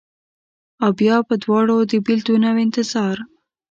اوبیا په دواړو، د بیلتون اوانتظار